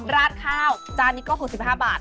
ราดข้าวจานนี้ก็๖๕บาท